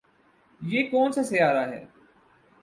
یہ کون سا سیارہ ہے